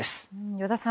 依田さん